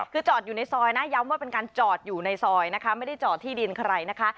คือจอดอยู่ในซอยนะย้ำว่าเป็นการจอดอยู่ในซอยนะคะไม่ได้จอดที่ดินใครนะคะ